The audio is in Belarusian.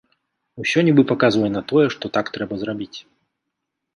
Усё нібы паказвае на тое, што так трэба зрабіць.